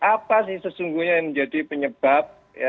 apa sih sesungguhnya yang menjadi penyebab